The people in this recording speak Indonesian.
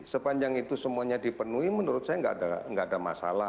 sepanjang itu semuanya dipenuhi menurut saya nggak ada masalah